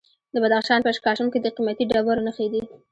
د بدخشان په اشکاشم کې د قیمتي ډبرو نښې دي.